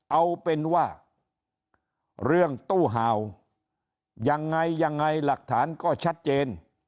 เอาเป็นว่าเรื่องตู้ห่าวยังไงยังไงหลักฐานก็ชัดเจน